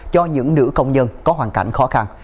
cho những nữ công nhân có hoàn cảnh khó khăn